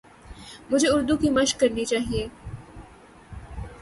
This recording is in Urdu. مجھے اردو کی مَشق کرنی چاہیے